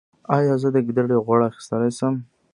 ایا زه د ګیډې غوړ ایستلی شم؟